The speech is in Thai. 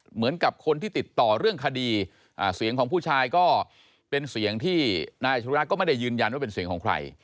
เหมือนกับคนที่ติดต่อเรื่องคดีเสียงของผู้ชายก็เป็นเสียงที่นายอัชรุยะก็ไม่ได้ยืนยันว่าเป็นเสียงของใคร